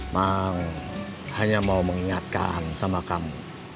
mau hanya mau mengingatkan sama kamu